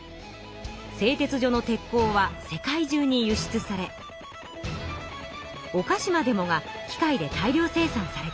製鉄所の鉄鋼は世界中に輸出されおかしまでもが機械で大量生産されていました。